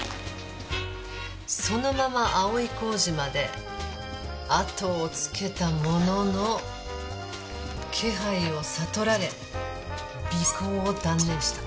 そのまま葵小路まで後をつけたものの気配を悟られ尾行を断念した。